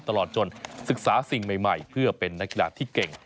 ตลอดจนศึกษาสิ่งใหม่เพื่อเป็นนักกีฬาที่เก่ง